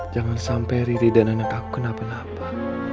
jangan sampai riri dan anak aku kenapa napa